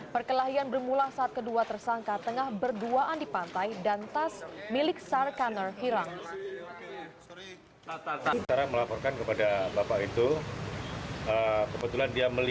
perkelahian bermula saat kedua tersangka tengah berduaan di pantai